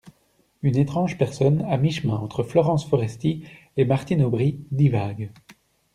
Une étrange personne à mi-chemin entre Florence Foresti et Martine Aubry divague.